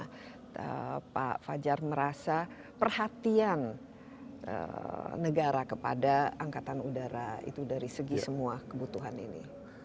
bagaimana pak fajar merasa perhatian negara kepada angkatan udara itu dari segi semua kebutuhan ini